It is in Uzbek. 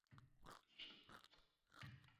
Abdulla Qodiriyning “O‘tkan kunlar” romani